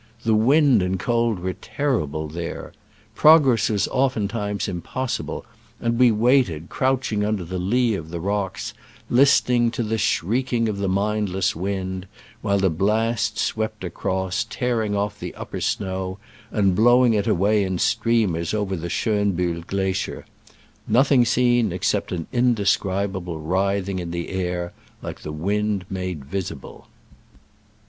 The wind and cold were terrible there. Progress was oftentimes impossible, and we waited, crouching under the lee of rocks, listening to "the shrieking of the mindless wind," while the blasts swept across, tearing off the upper snow and blowing it away in streamers over the Schonbiihl glacier —^ nothing seen ex cept an indescribable writhing in the air, like the wind made visible."